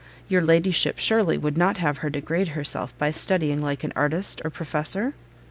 your ladyship surely would not have her degrade herself by studying like an artist or professor?"